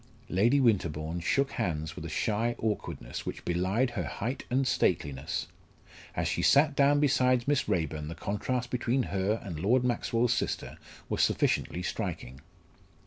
Lady Winterbourne shook hands with a shy awkwardness which belied her height and stateliness. As she sat down beside Miss Raeburn the contrast between her and Lord Maxwell's sister was sufficiently striking.